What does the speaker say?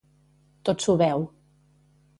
Tot s'ho beu.